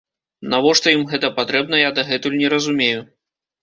Навошта ім гэта патрэбна, я дагэтуль не разумею.